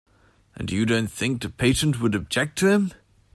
And you don't think the patient would object to him?